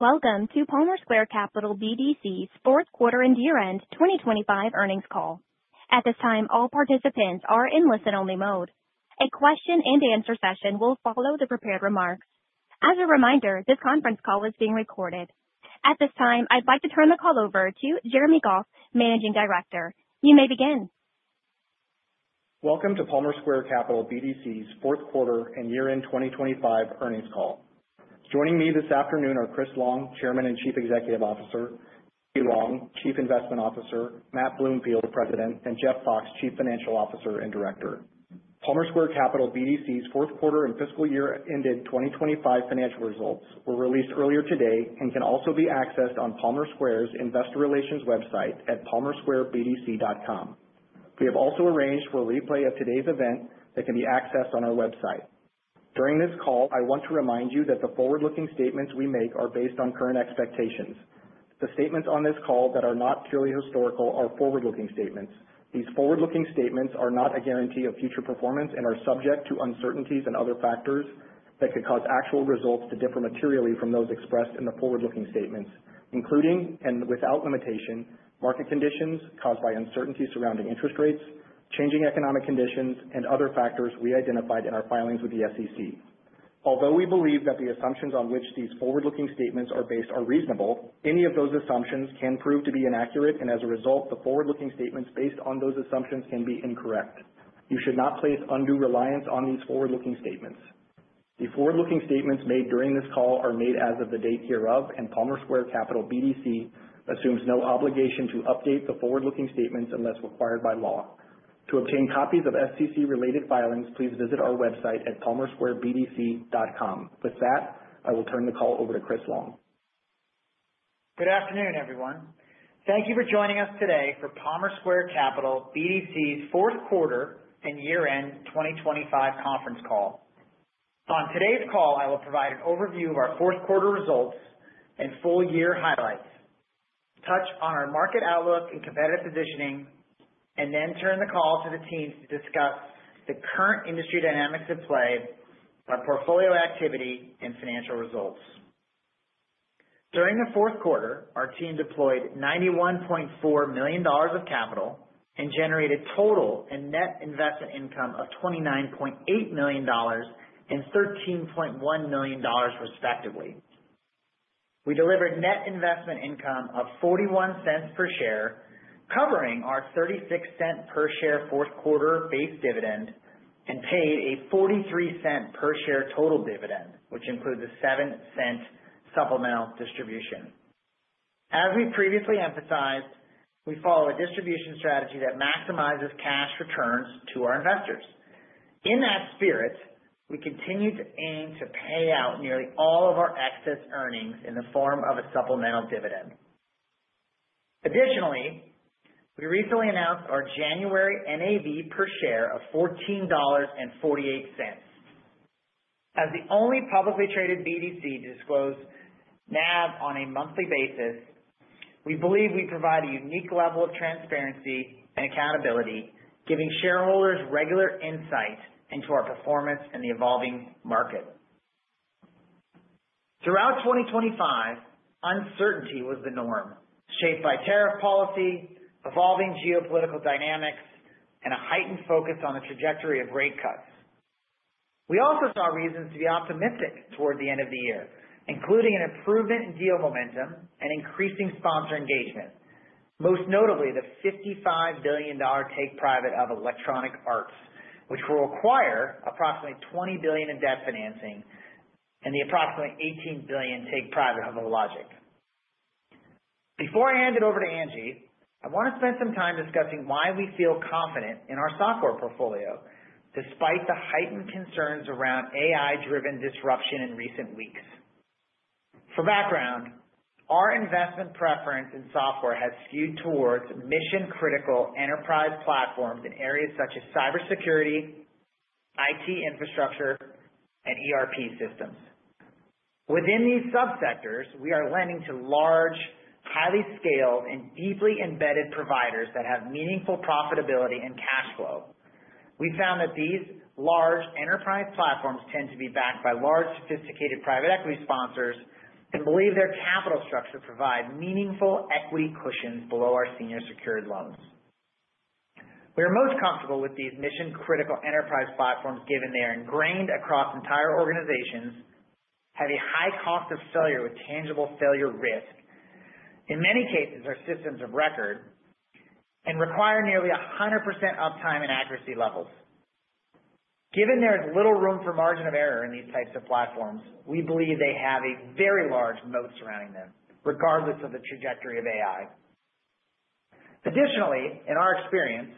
Welcome to Palmer Square Capital BDC's fourth quarter and year-end 2025 earnings call. At this time, all participants are in listen-only mode. A question and answer session will follow the prepared remarks. As a reminder, this conference call is being recorded. At this time, I'd like to turn the call over to Jeremy Goff, Managing Director. You may begin. Welcome to Palmer Square Capital BDC's fourth quarter and year-end 2025 earnings call. Joining me this afternoon are Chris Long, Chairman and Chief Executive Officer. Angie Long, Chief Investment Officer. Matt Bloomfield, President, and Jeff Fox, Chief Financial Officer and Director. Palmer Square Capital BDC's fourth quarter and fiscal year ended 2025 financial results were released earlier today and can also be accessed on Palmer Square's investor relations website at palmersquarebdc.com. We have also arranged for a replay of today's event that can be accessed on our website. During this call, I want to remind you that the forward-looking statements we make are based on current expectations. The statements on this call that are not purely historical are forward-looking statements. These forward-looking statements are not a guarantee of future performance and are subject to uncertainties and other factors that could cause actual results to differ materially from those expressed in the forward-looking statements, including and without limitation, market conditions caused by uncertainties surrounding interest rates, changing economic conditions, and other factors we identified in our filings with the SEC. Although we believe that the assumptions on which these forward-looking statements are based are reasonable, any of those assumptions can prove to be inaccurate, and as a result, the forward-looking statements based on those assumptions can be incorrect. You should not place undue reliance on these forward-looking statements. The forward-looking statements made during this call are made as of the date hereof, and Palmer Square Capital BDC assumes no obligation to update the forward-looking statements unless required by law. To obtain copies of SEC-related filings, please visit our website at palmersquarebdc.com. With that, I will turn the call over to Chris Long. Good afternoon, everyone. Thank you for joining us today for Palmer Square Capital BDC's fourth quarter and year-end 2025 conference call. On today's call, I will provide an overview of our fourth quarter results and full-year highlights, touch on our market outlook and competitive positioning, and then turn the call to the teams to discuss the current industry dynamics at play, our portfolio activity, and financial results. During the fourth quarter, our team deployed $91.4 million of capital and generated total and net investment income of $29.8 million and $13.1 million, respectively. We delivered net investment income of $0.41 per share, covering our $0.36 per share fourth quarter base dividend and paid a $0.43 per share total dividend, which includes a $0.07 supplemental distribution. As we previously emphasized, we follow a distribution strategy that maximizes cash returns to our investors. In that spirit, we continue to aim to pay out nearly all of our excess earnings in the form of a supplemental dividend. Additionally, we recently announced our January NAV per share of $14.48. As the only publicly traded BDC to disclose NAV on a monthly basis, we believe we provide a unique level of transparency and accountability, giving shareholders regular insight into our performance in the evolving market. Throughout 2025, uncertainty was the norm, shaped by tariff policy, evolving geopolitical dynamics, and a heightened focus on the trajectory of rate cuts. We also saw reasons to be optimistic toward the end of the year, including an improvement in deal momentum and increasing sponsor engagement. Most notably, the $55 billion take private of Electronic Arts, which will require approximately $20 billion in debt financing, and the approximately $18 billion take private of Hologic. Before I hand it over to Angie, I want to spend some time discussing why we feel confident in our software portfolio despite the heightened concerns around AI-driven disruption in recent weeks. For background, our investment preference in software has skewed towards mission-critical enterprise platforms in areas such as cybersecurity, IT infrastructure, and ERP systems. Within these sub-sectors, we are lending to large, highly scaled, and deeply embedded providers that have meaningful profitability and cash flow. We found that these large enterprise platforms tend to be backed by large, sophisticated private equity sponsors and believe their capital structures provide meaningful equity cushions below our senior secured loans. We are most comfortable with these mission-critical enterprise platforms given they are ingrained across entire organizations, have a high cost of failure with tangible failure risk, in many cases are systems of record, and require nearly 100% uptime and accuracy levels. Given there is little room for margin of error in these types of platforms, we believe they have a very large moat surrounding them, regardless of the trajectory of AI. Additionally, in our experience,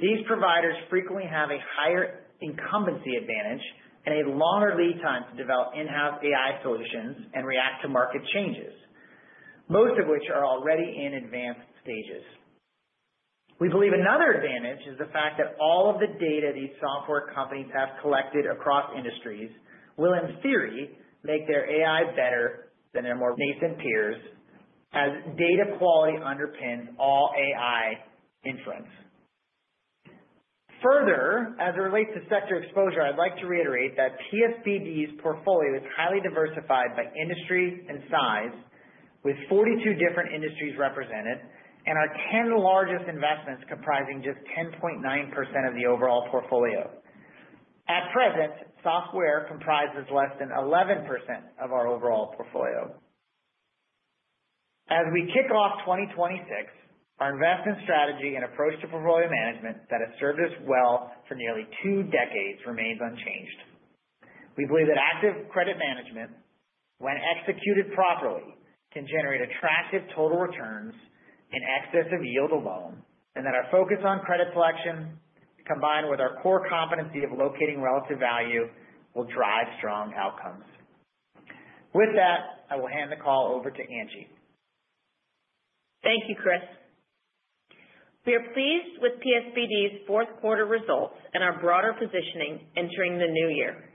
these providers frequently have a higher incumbency advantage and a longer lead time to develop in-house AI solutions and react to market changes, most of which are already in advanced stages. We believe another advantage is the fact that all of the data these software companies have collected across industries will, in theory, make their AI better than their more nascent peers, as data quality underpins all AI inference. Further, as it relates to sector exposure, I'd like to reiterate that PSBD's portfolio is highly diversified by industry and size, with 42 different industries represented, and our 10 largest investments comprising just 10.9% of the overall portfolio. At present, software comprises less than 11% of our overall portfolio. As we kick off 2026, our investment strategy and approach to portfolio management that has served us well for nearly two decades remains unchanged. We believe that active credit management, when executed properly, can generate attractive total returns in excess of yield alone, and that our focus on credit selection, combined with our core competency of locating relative value, will drive strong outcomes. With that, I will hand the call over to Angie. Thank you, Chris. We are pleased with PSBD's fourth quarter results and our broader positioning entering the new year.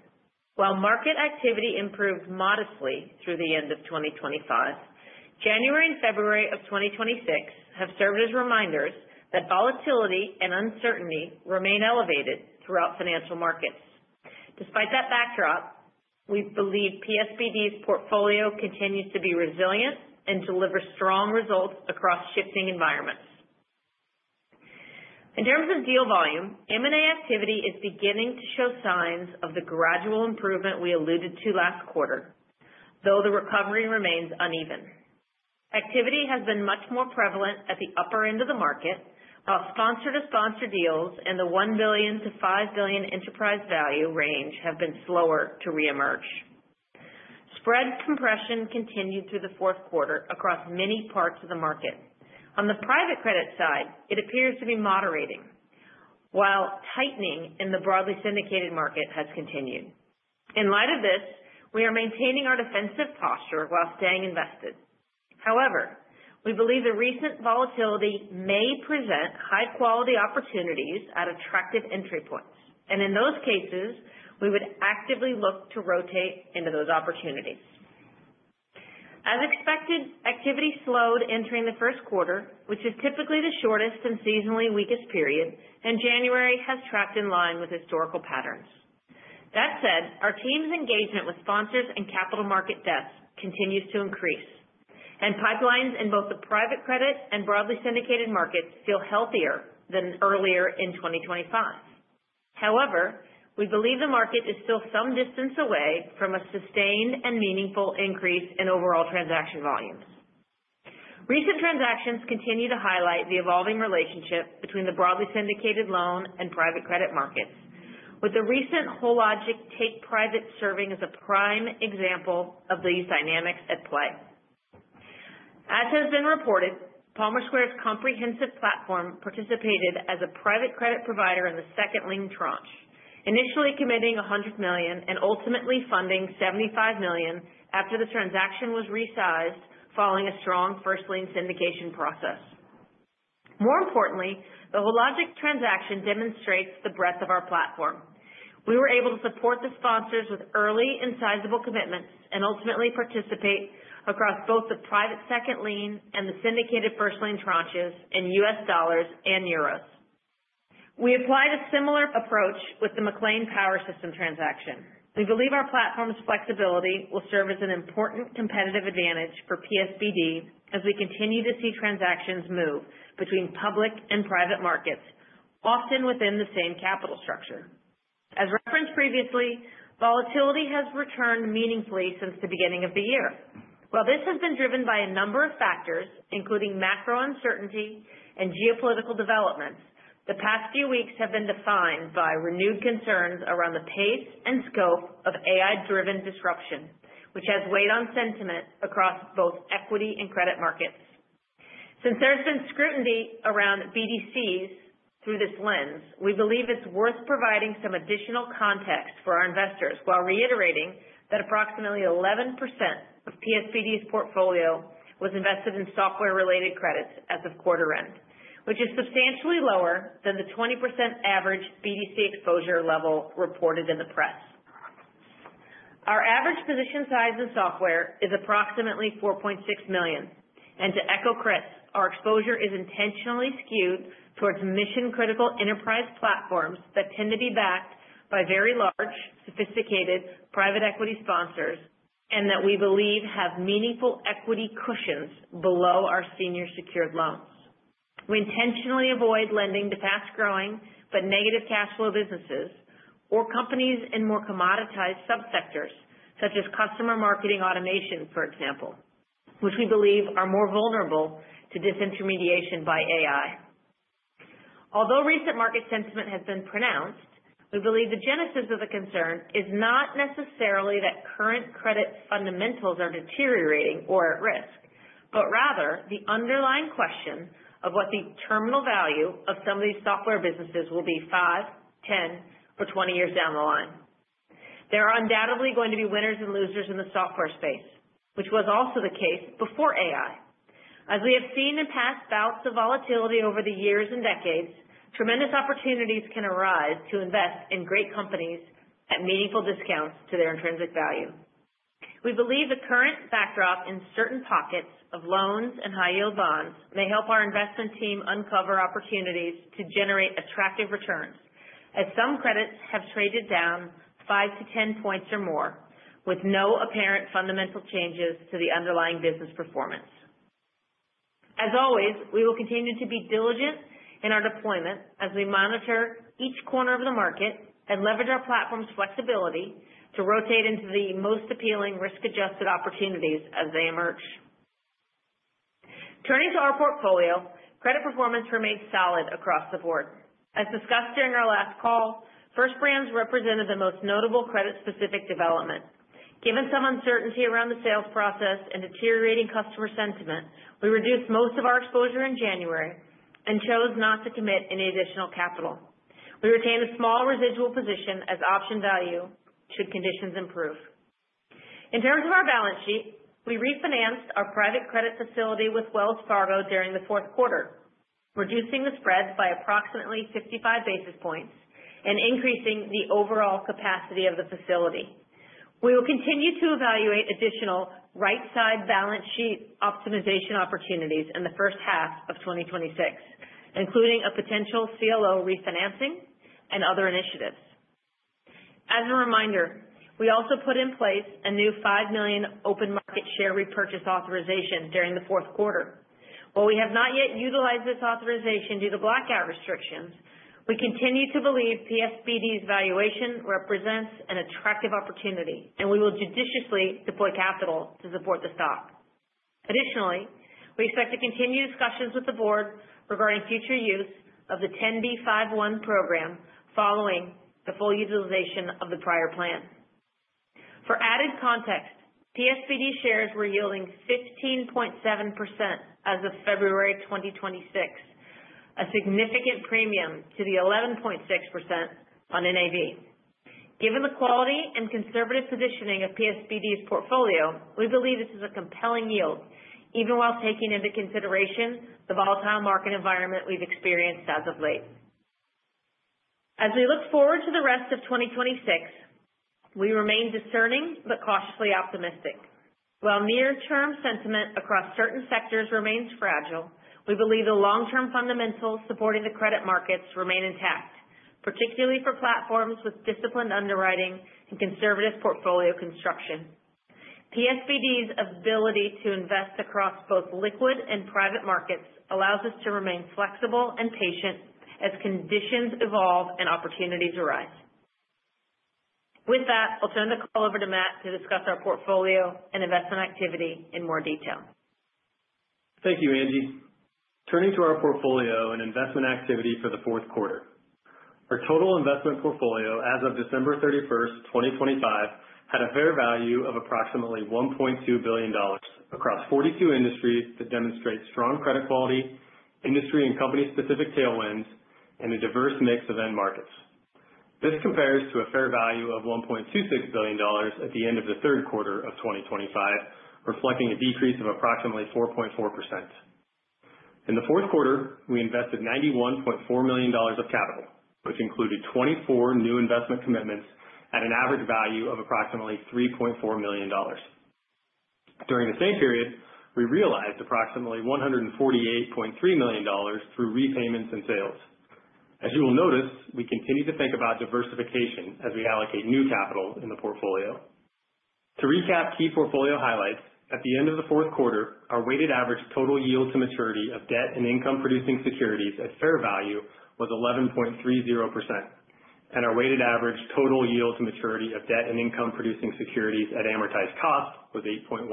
While market activity improved modestly through the end of 2025, January and February of 2026 have served as reminders that volatility and uncertainty remain elevated throughout financial markets. Despite that backdrop, we believe PSBD's portfolio continues to be resilient and deliver strong results across shifting environments. In terms of deal volume, M&A activity is beginning to show signs of the gradual improvement we alluded to last quarter. Though the recovery remains uneven. Activity has been much more prevalent at the upper end of the market, while sponsor-to-sponsor deals in the $1 billion-$5 billion enterprise value range have been slower to reemerge. Spread compression continued through the fourth quarter across many parts of the market. On the private credit side, it appears to be moderating, while tightening in the broadly syndicated market has continued. In light of this, we are maintaining our defensive posture while staying invested. We believe the recent volatility may present high-quality opportunities at attractive entry points. In those cases, we would actively look to rotate into those opportunities. As expected, activity slowed entering the first quarter, which is typically the shortest and seasonally weakest period, January has tracked in line with historical patterns. That said, our team's engagement with sponsors and capital market desks continues to increase, and pipelines in both the private credit and broadly syndicated markets feel healthier than earlier in 2025. We believe the market is still some distance away from a sustained and meaningful increase in overall transaction volumes. Recent transactions continue to highlight the evolving relationship between the broadly syndicated loan and private credit markets. With the recent Hologic take-private serving as a prime example of these dynamics at play. As has been reported, Palmer Square's comprehensive platform participated as a private credit provider in the second lien tranche, initially committing $100 million and ultimately funding $75 million after the transaction was resized following a strong first lien syndication process. More importantly, the Hologic transaction demonstrates the breadth of our platform. We were able to support the sponsors with early and sizable commitments, and ultimately participate across both the private second lien and the syndicated first lien tranches in US dollars and euros. We applied a similar approach with the MacLean Power Systems transaction. We believe our platform's flexibility will serve as an important competitive advantage for PSBD as we continue to see transactions move between public and private markets, often within the same capital structure. As referenced previously, volatility has returned meaningfully since the beginning of the year. While this has been driven by a number of factors, including macro uncertainty and geopolitical developments, the past few weeks have been defined by renewed concerns around the pace and scope of AI-driven disruption, which has weighed on sentiment across both equity and credit markets. Since there's been scrutiny around BDCs through this lens, we believe it's worth providing some additional context for our investors while reiterating that approximately 11% of PSBD's portfolio was invested in software-related credits as of quarter end, which is substantially lower than the 20% average BDC exposure level reported in the press. Our average position size in software is approximately $4.6 million. To echo Chris, our exposure is intentionally skewed towards mission-critical enterprise platforms that tend to be backed by very large, sophisticated private equity sponsors, and that we believe have meaningful equity cushions below our senior secured loans. We intentionally avoid lending to fast-growing but negative cash flow businesses or companies in more commoditized subsectors, such as customer marketing automation, for example, which we believe are more vulnerable to disintermediation by AI. Although recent market sentiment has been pronounced, we believe the genesis of the concern is not necessarily that current credit fundamentals are deteriorating or at risk, but rather the underlying question of what the terminal value of some of these software businesses will be five, 10, or 20 years down the line. There are undoubtedly going to be winners and losers in the software space, which was also the case before AI. As we have seen in past bouts of volatility over the years and decades, tremendous opportunities can arise to invest in great companies at meaningful discounts to their intrinsic value. We believe the current backdrop in certain pockets of loans and high-yield bonds may help our investment team uncover opportunities to generate attractive returns, as some credits have traded down five to 10 points or more with no apparent fundamental changes to the underlying business performance. As always, we will continue to be diligent in our deployment as we monitor each corner of the market and leverage our platform's flexibility to rotate into the most appealing risk-adjusted opportunities as they emerge. Turning to our portfolio, credit performance remains solid across the board. As discussed during our last call, First Brands represented the most notable credit-specific development. Given some uncertainty around the sales process and deteriorating customer sentiment, we reduced most of our exposure in January and chose not to commit any additional capital. We retained a small residual position as option value should conditions improve. In terms of our balance sheet, we refinanced our private credit facility with Wells Fargo during the fourth quarter, reducing the spreads by approximately 55 basis points and increasing the overall capacity of the facility. We will continue to evaluate additional right-side balance sheet optimization opportunities in the first half of 2026, including a potential CLO refinancing and other initiatives. As a reminder, we also put in place a new $5 million open market share repurchase authorization during the fourth quarter. While we have not yet utilized this authorization due to blackout restrictions, we continue to believe PSBD's valuation represents an attractive opportunity, and we will judiciously deploy capital to support the stock. Additionally, we expect to continue discussions with the board regarding future use of the 10b5-1 program following the full utilization of the prior plan. For added context, PSBD shares were yielding 15.7% as of February 2026, a significant premium to the 11.6% on NAV. Given the quality and conservative positioning of PSBD's portfolio, we believe this is a compelling yield, even while taking into consideration the volatile market environment we've experienced as of late. As we look forward to the rest of 2026, we remain discerning but cautiously optimistic. While near-term sentiment across certain sectors remains fragile, we believe the long-term fundamentals supporting the credit markets remain intact, particularly for platforms with disciplined underwriting and conservative portfolio construction. PSBD's ability to invest across both liquid and private markets allows us to remain flexible and patient as conditions evolve and opportunities arise. With that, I'll turn the call over to Matt to discuss our portfolio and investment activity in more detail. Thank you, Angie. Turning to our portfolio and investment activity for the fourth quarter. Our total investment portfolio as of December 31, 2025, had a fair value of approximately $1.2 billion across 42 industries that demonstrate strong credit quality, industry and company-specific tailwinds, and a diverse mix of end markets. This compares to a fair value of $1.26 billion at the end of the third quarter of 2025, reflecting a decrease of approximately 4.4%. In the fourth quarter, we invested $91.4 million of capital, which included 24 new investment commitments at an average value of approximately $3.4 million. During the same period, we realized approximately $148.3 million through repayments and sales. As you will notice, we continue to think about diversification as we allocate new capital in the portfolio. To recap key portfolio highlights, at the end of the fourth quarter, our weighted average total yield to maturity of debt and income-producing securities at fair value was 11.30%, and our weighted average total yield to maturity of debt and income-producing securities at amortized cost was 8.15%.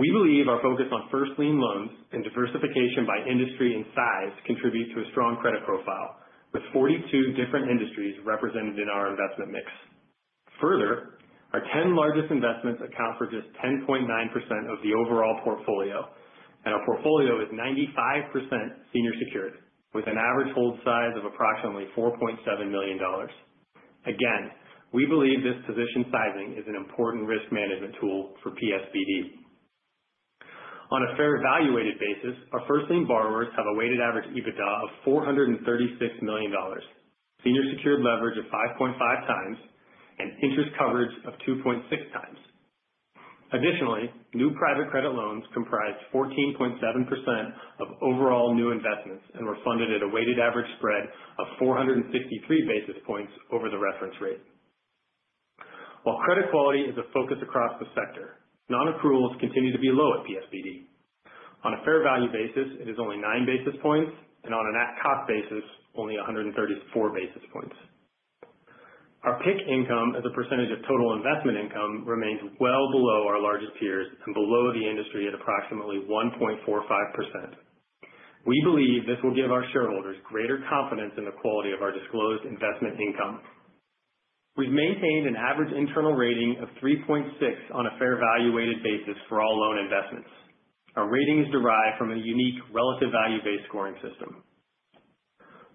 We believe our focus on first lien loans and diversification by industry and size contribute to a strong credit profile, with 42 different industries represented in our investment mix. Further, our 10 largest investments account for just 10.9% of the overall portfolio, and our portfolio is 95% senior secured, with an average hold size of approximately $4.7 million. Again, we believe this position sizing is an important risk management tool for PSBD. On a fair valuated basis, our first lien borrowers have a weighted average EBITDA of $436 million, senior secured leverage of 5.5 times, and interest coverage of 2.6 times. Additionally, new private credit loans comprised 14.7% of overall new investments and were funded at a weighted average spread of 463 basis points over the reference rate. While credit quality is a focus across the sector, non-accruals continue to be low at PSBD. On a fair value basis, it is only nine basis points, and on an at-cost basis, only 134 basis points. Our PIK income as a percentage of total investment income remains well below our largest peers and below the industry at approximately 1.45%. We believe this will give our shareholders greater confidence in the quality of our disclosed investment income. We've maintained an average internal rating of 3.6 on a fair valuated basis for all loan investments. Our ratings derive from a unique relative value-based scoring system.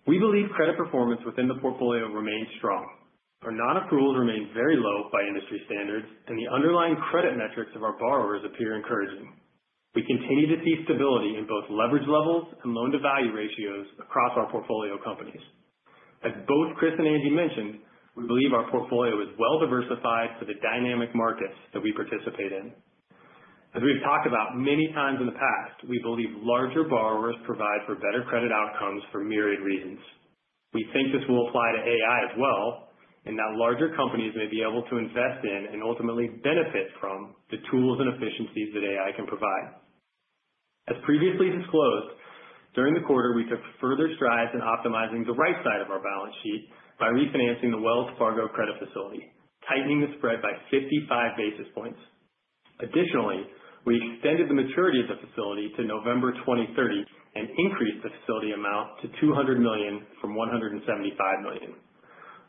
We believe credit performance within the portfolio remains strong. Our non-accruals remain very low by industry standards. The underlying credit metrics of our borrowers appear encouraging. We continue to see stability in both leverage levels and loan-to-value ratios across our portfolio companies. As both Chris and Angie mentioned, we believe our portfolio is well diversified for the dynamic markets that we participate in. As we've talked about many times in the past, we believe larger borrowers provide for better credit outcomes for myriad reasons. We think this will apply to AI as well. That larger companies may be able to invest in and ultimately benefit from the tools and efficiencies that AI can provide. As previously disclosed, during the quarter, we took further strides in optimizing the right side of our balance sheet by refinancing the Wells Fargo credit facility, tightening the spread by 55 basis points. Additionally, we extended the maturity of the facility to November 2030. Increased the facility amount to $200 million from $175 million.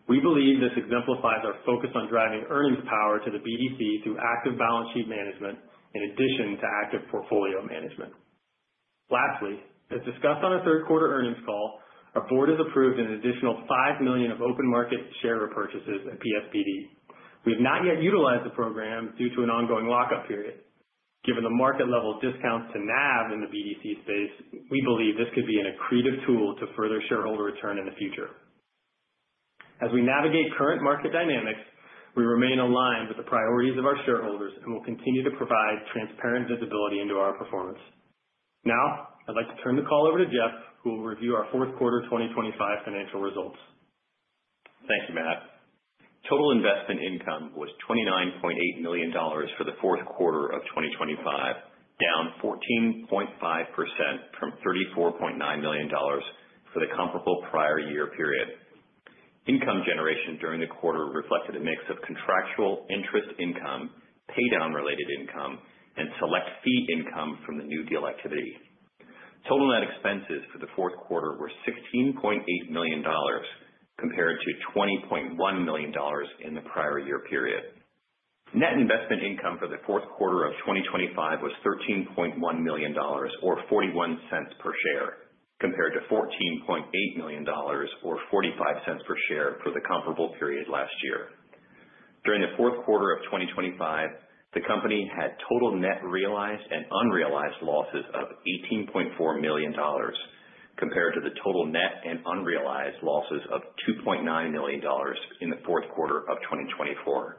We believe this exemplifies our focus on driving earnings power to the BDC through active balance sheet management in addition to active portfolio management. As discussed on the third quarter earnings call, our board has approved an additional $5 million of open market share repurchases at PSBD. We have not yet utilized the program due to an ongoing lock-up period. Given the market level discounts to NAV in the BDC space, we believe this could be an accretive tool to further shareholder return in the future. As we navigate current market dynamics, we remain aligned with the priorities of our shareholders and will continue to provide transparent visibility into our performance. I'd like to turn the call over to Jeff, who will review our fourth quarter 2025 financial results. Thank you, Matt. Total investment income was $29.8 million for the fourth quarter of 2025, down 14.5% from $34.9 million for the comparable prior year period. Income generation during the quarter reflected a mix of contractual interest income, paydown related income, and select fee income from the new deal activity. Total net expenses for the fourth quarter were $16.8 million, compared to $20.1 million in the prior year period. Net investment income for the fourth quarter of 2025 was $13.1 million or $0.41 per share, compared to $14.8 million or $0.45 per share for the comparable period last year. During the fourth quarter of 2025, the company had total net realized and unrealized losses of $18.4 million, compared to the total net and unrealized losses of $2.9 million in the fourth quarter of 2024.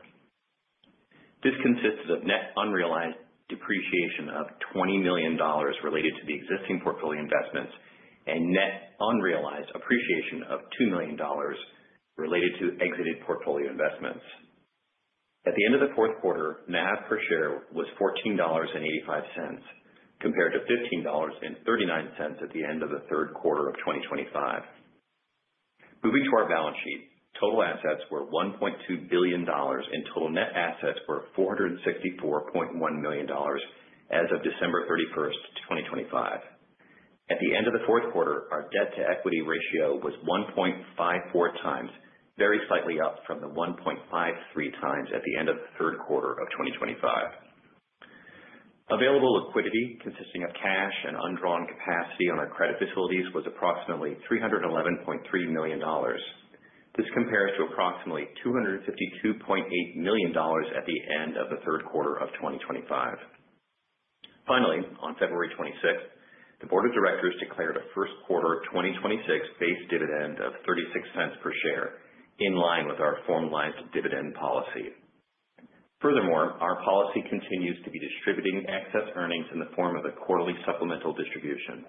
This consists of net unrealized depreciation of $20 million related to the existing portfolio investments and net unrealized appreciation of $2 million related to exited portfolio investments. At the end of the fourth quarter, NAV per share was $14.85, compared to $15.39 at the end of the third quarter of 2025. Moving to our balance sheet, total assets were $1.2 billion and total net assets were $464.1 million as of December 31, 2025. At the end of the fourth quarter, our debt-to-equity ratio was 1.54 times, very slightly up from the 1.53 times at the end of the third quarter of 2025. Available liquidity, consisting of cash and undrawn capacity on our credit facilities, was approximately $311.3 million. This compares to approximately $252.8 million at the end of the third quarter of 2025. Finally, on February 26, the board of directors declared a first quarter 2026 base dividend of $0.36 per share, in line with our formalized dividend policy. Furthermore, our policy continues to be distributing excess earnings in the form of a quarterly supplemental distribution.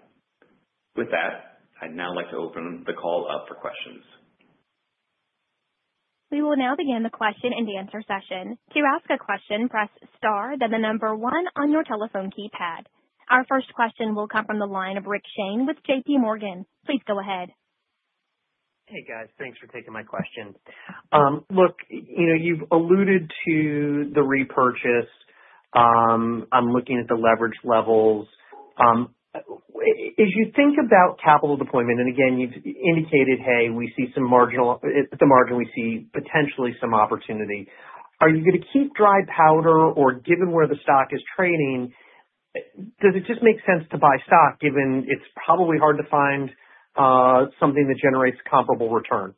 With that, I'd now like to open the call up for questions. We will now begin the question and answer session. To ask a question, press star then the number one on your telephone keypad. Our first question will come from the line of Richard Shane with JP Morgan. Please go ahead. Hey, guys. Thanks for taking my question. Look, you've alluded to the repurchase. I'm looking at the leverage levels. As you think about capital deployment, again, you've indicated, Hey, at the margin we see potentially some opportunity. Are you going to keep dry powder, or given where the stock is trading, does it just make sense to buy stock given it's probably hard to find something that generates comparable return?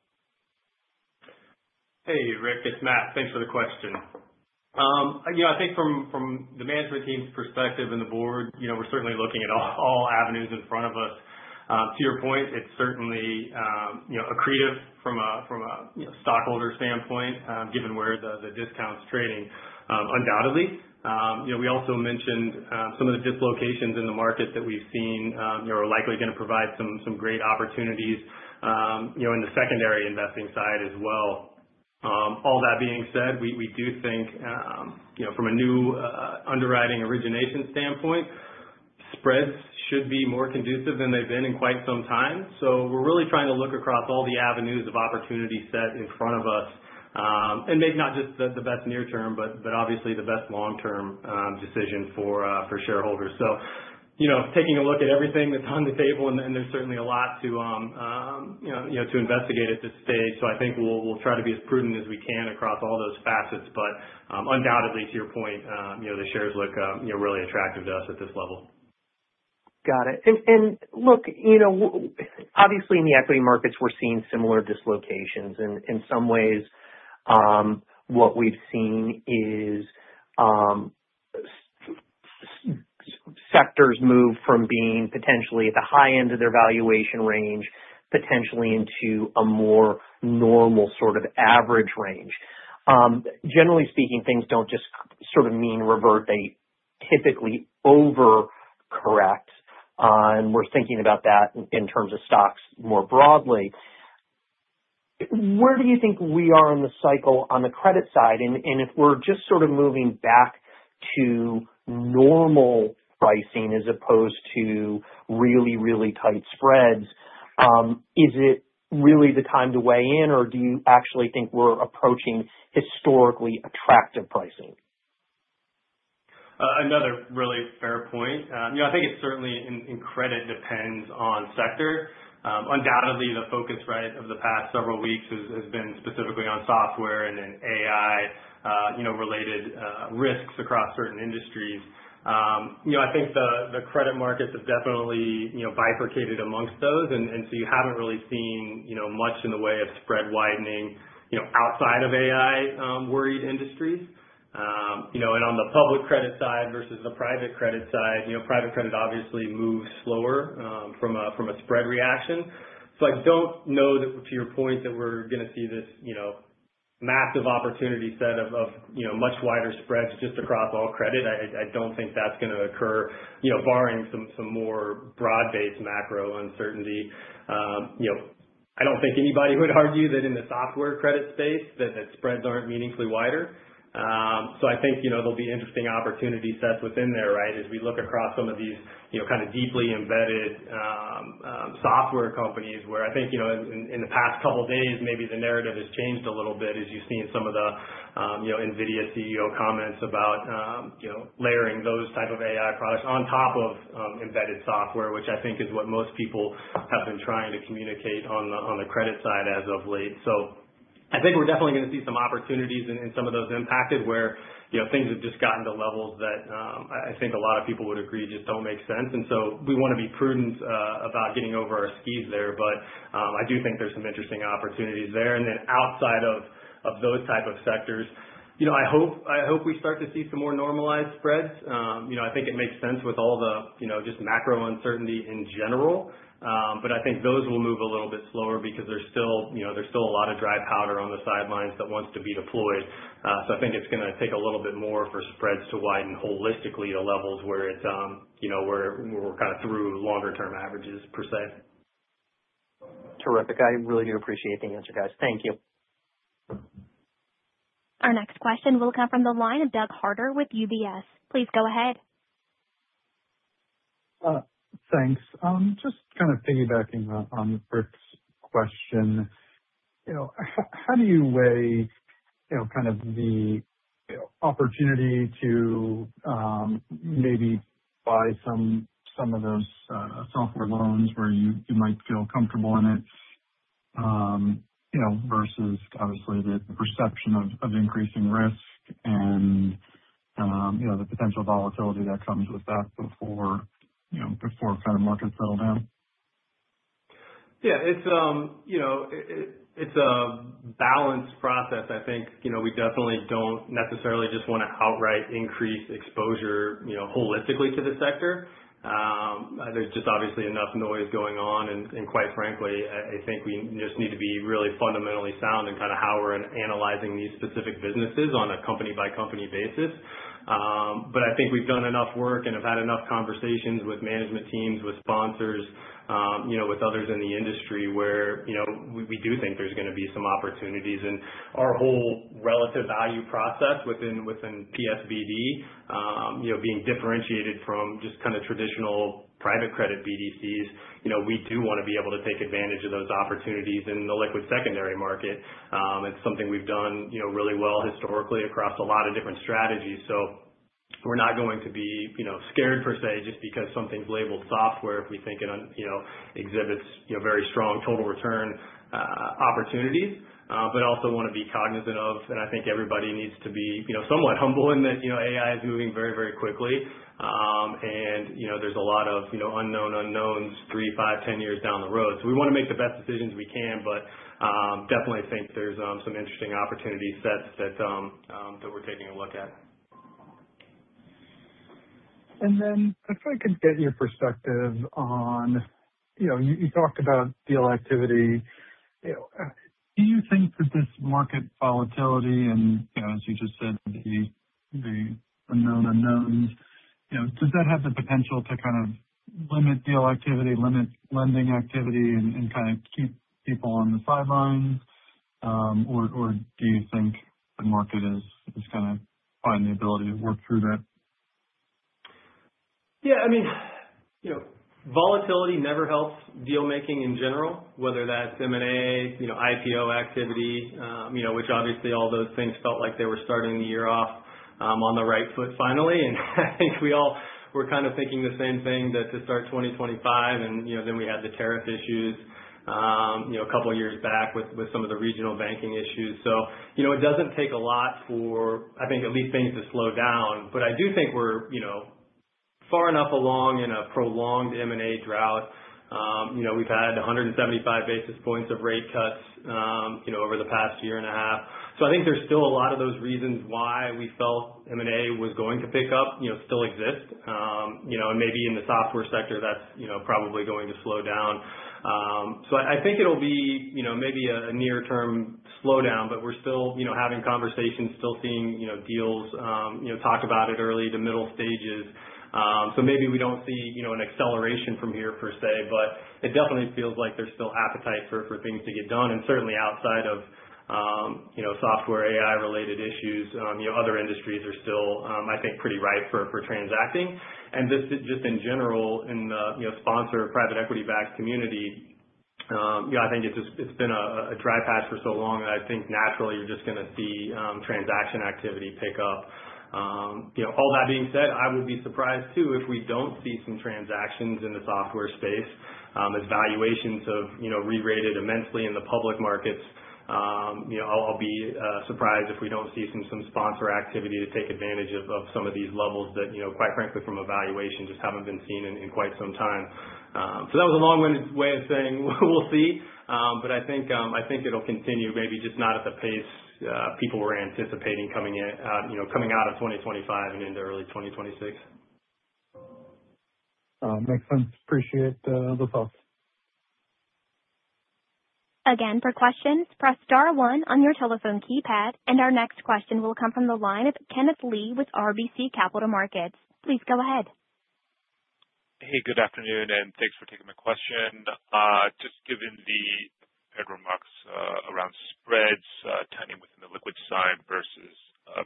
Hey, Rick, it's Matt. Thanks for the question. I think from the management team's perspective and the board, we're certainly looking at all avenues in front of us. To your point, it's certainly accretive from a stockholder standpoint, given where the discount's trading, undoubtedly. We also mentioned some of the dislocations in the market that we've seen are likely going to provide some great opportunities in the secondary investing side as well. All that being said, we do think from a new underwriting origination standpoint, spreads should be more conducive than they've been in quite some time. We're really trying to look across all the avenues of opportunity set in front of us. Maybe not just the best near term, but obviously the best long-term decision for shareholders. Taking a look at everything that's on the table, there's certainly a lot to investigate at this stage. I think we'll try to be as prudent as we can across all those facets. Undoubtedly to your point, the shares look really attractive to us at this level. Got it. Look, obviously in the equity markets, we're seeing similar dislocations. In some ways, what we've seen is sectors move from being potentially at the high end of their valuation range, potentially into a more normal sort of average range. Generally speaking, things don't just sort of mean revert, they typically over-correct. We're thinking about that in terms of stocks more broadly. Where do you think we are in the cycle on the credit side? If we're just sort of moving back to normal pricing as opposed to really, really tight spreads, is it really the time to weigh in, or do you actually think we're approaching historically attractive pricing? Another really fair point. I think it certainly, in credit, depends on sector. Undoubtedly, the focus, right, of the past several weeks has been specifically on software and then AI-related risks across certain industries. I think the credit markets have definitely bifurcated amongst those, and you haven't really seen much in the way of spread widening outside of AI-worried industries. On the public credit side versus the private credit side, private credit obviously moves slower from a spread reaction. I don't know that, to your point, that we're going to see this massive opportunity set of much wider spreads just across all credit. I don't think that's going to occur barring some more broad-based macro uncertainty. I don't think anybody would argue that in the software credit space that spreads aren't meaningfully wider. I think there'll be interesting opportunity sets within there, right, as we look across some of these kind of deeply embedded software companies where I think, in the past couple days, maybe the narrative has changed a little bit as you've seen some of the NVIDIA CEO comments about layering those type of AI products on top of embedded software, which I think is what most people have been trying to communicate on the credit side as of late. I think we're definitely going to see some opportunities in some of those impacted where things have just gotten to levels that I think a lot of people would agree just don't make sense. We want to be prudent about getting over our skis there. I do think there's some interesting opportunities there. Outside of those type of sectors, I hope we start to see some more normalized spreads. I think it makes sense with all the just macro uncertainty in general. I think those will move a little bit slower because there's still a lot of dry powder on the sidelines that wants to be deployed. I think it's going to take a little bit more for spreads to widen holistically to levels where we're kind of through longer-term averages, per se. Terrific. I really do appreciate the answer, guys. Thank you. Our next question will come from the line of Douglas Harter with UBS. Please go ahead. Thanks. Just kind of piggybacking on Rick's question. How do you weigh kind of the opportunity to maybe buy some of those software loans where you might feel comfortable in it, versus obviously the perception of increasing risk and the potential volatility that comes with that before kind of markets settle down? Yeah. It's a balanced process. I think we definitely don't necessarily just want to outright increase exposure holistically to the sector. There's just obviously enough noise going on, and quite frankly, I think we just need to be really fundamentally sound in kind of how we're analyzing these specific businesses on a company-by-company basis. I think we've done enough work and have had enough conversations with management teams, with sponsors, with others in the industry where we do think there's going to be some opportunities. Our whole relative value process within PSBD, being differentiated from just kind of traditional private credit BDCs, we do want to be able to take advantage of those opportunities in the liquid secondary market. It's something we've done really well historically across a lot of different strategies. We're not going to be scared per se, just because something's labeled software, if we think it exhibits very strong total return opportunities. Also want to be cognizant of, and I think everybody needs to be somewhat humble in that AI is moving very, very quickly. There's a lot of unknowns three, five, 10 years down the road. We want to make the best decisions we can, but definitely think there's some interesting opportunity sets that we're taking a look at. If I could get your perspective on, you talked about deal activity. Do you think that this market volatility and as you just said, the unknown unknowns, does that have the potential to kind of limit deal activity, limit lending activity, and kind of keep people on the sidelines? Or do you think the market is just going to find the ability to work through that? Yeah. Volatility never helps deal-making in general, whether that's M&A, IPO activity, which obviously all those things felt like they were starting the year off on the right foot finally. I think we all were kind of thinking the same thing, that to start 2025, then we had the tariff issues a couple of years back with some of the regional banking issues. It doesn't take a lot for, I think, at least things to slow down. I do think we're far enough along in a prolonged M&A drought. We've had 175 basis points of rate cuts over the past year and a half. I think there's still a lot of those reasons why we felt M&A was going to pick up still exist. Maybe in the software sector, that's probably going to slow down. I think it'll be maybe a near-term slowdown. We're still having conversations, still seeing deals talked about at early to middle stages. Maybe we don't see an acceleration from here per se, but it definitely feels like there's still appetite for things to get done. Certainly outside of software AI-related issues, other industries are still, I think, pretty ripe for transacting. Just in general, in the sponsor private equity-backed community, yeah, I think it's been a dry patch for so long, and I think naturally you're just going to see transaction activity pick up. All that being said, I would be surprised too if we don't see some transactions in the software space. As valuations have re-rated immensely in the public markets, I'll be surprised if we don't see some sponsor activity to take advantage of some of these levels that, quite frankly, from a valuation, just haven't been seen in quite some time. That was a long-winded way of saying we'll see. I think it'll continue, maybe just not at the pace people were anticipating coming out of 2025 and into early 2026. Makes sense. Appreciate the thoughts. Again, for questions, press star one on your telephone keypad. Our next question will come from the line of Kenneth Lee with RBC Capital Markets. Please go ahead. Hey, good afternoon, and thanks for taking my question. Just given the Fed remarks around spreads tightening within the liquid side versus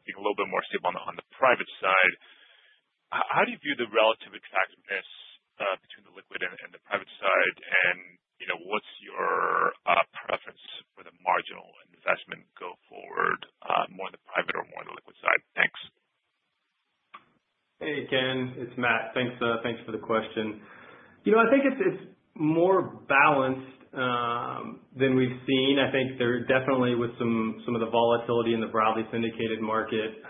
being a little bit more stable on the private side, how do you view the relative attractiveness between the liquid and the private side? What's your preference for the marginal investment go forward, more on the private or more on the liquid side? Thanks. Hey, Ken, it's Matt. Thanks for the question. I think it's more balanced than we've seen. I think there definitely with some of the volatility in the broadly syndicated market,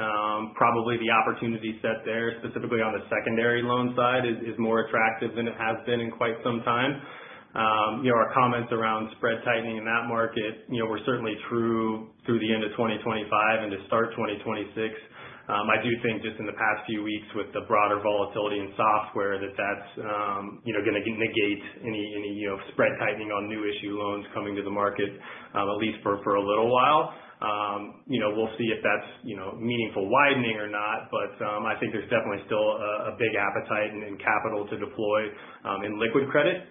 probably the opportunity set there, specifically on the secondary loan side, is more attractive than it has been in quite some time. Our comments around spread tightening in that market were certainly through the end of 2025 and the start of 2026. I do think just in the past few weeks with the broader volatility in software that that's going to negate any spread tightening on new issue loans coming to the market, at least for a little while. We'll see if that's meaningful widening or not. I think there's definitely still a big appetite and capital to deploy in liquid credit.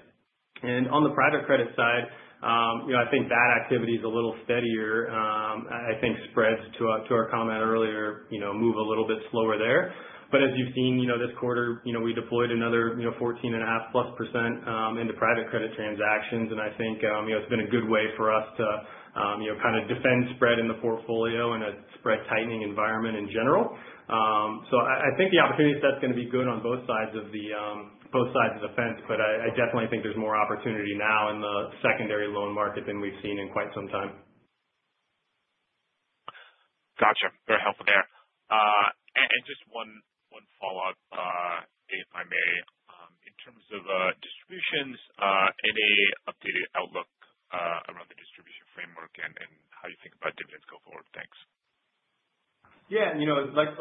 On the private credit side, I think that activity is a little steadier. I think spreads, to our comment earlier, move a little bit slower there. As you've seen this quarter, we deployed another 14.5%+ into private credit transactions. I think it's been a good way for us to kind of defend spread in the portfolio in a spread tightening environment in general. I think the opportunity set's going to be good on both sides of the fence, I definitely think there's more opportunity now in the secondary loan market than we've seen in quite some time. Got you. Very helpful there. Just one follow-up, if I may. In terms of distributions, any updated outlook around the distribution framework and how you think about dividends go forward? Thanks. Yeah.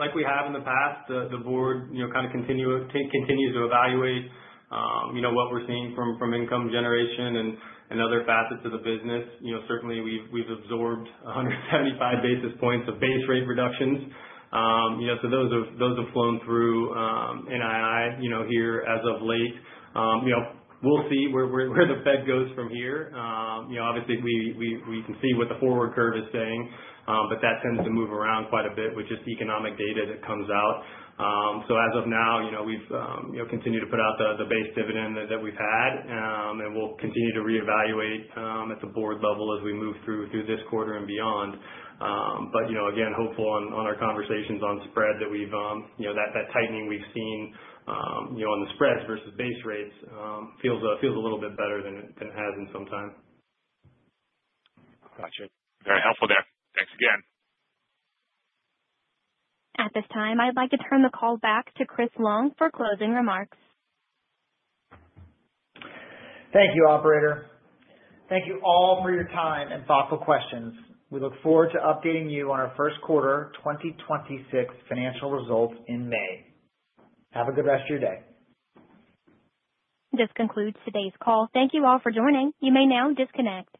Like we have in the past, the board kind of continues to evaluate what we're seeing from income generation and other facets of the business. Certainly, we've absorbed 175 basis points of base rate reductions. Those have flown through NII here as of late. We'll see where the Fed goes from here. Obviously, we can see what the forward curve is saying, that tends to move around quite a bit with just economic data that comes out. As of now, we've continued to put out the base dividend that we've had. We'll continue to reevaluate at the board level as we move through this quarter and beyond. Again, hopeful on our conversations on spread that tightening we've seen on the spreads versus base rates feels a little bit better than it has in some time. Got you. Very helpful there. Thanks again. At this time, I'd like to turn the call back to Chris Long for closing remarks. Thank you, operator. Thank you all for your time and thoughtful questions. We look forward to updating you on our first quarter 2026 financial results in May. Have a good rest of your day. This concludes today's call. Thank you all for joining. You may now disconnect.